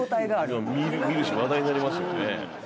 見るし話題になりますよね。